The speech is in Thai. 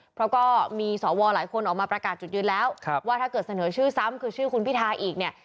เพราะก็มีสวหลายคนออกมาประกาศจุดยืนแล้วว่าถ้าเกิดเสนอชื่อซ้ำคือชื่อคุณพิทาอีกเนี่ย